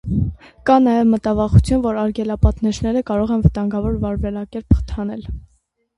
Կա նաև մտավախություն, որ արգելապատնեշները կարող են վտանգավոր վարվելակերպ խթանել։